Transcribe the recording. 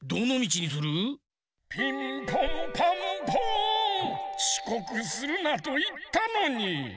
ちこくするなといったのに。